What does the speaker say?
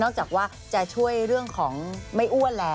จากว่าจะช่วยเรื่องของไม่อ้วนแล้ว